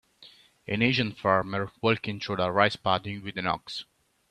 An Asian farmer walking through a rice paddy with an ox.